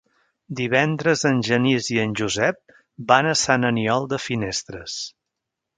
Divendres en Genís i en Josep van a Sant Aniol de Finestres.